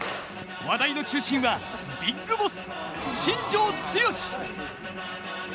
話題の中心は、ビッグボス・新庄剛志。